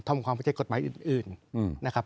ทำความพัจจัยกฎหมายอื่นนะครับ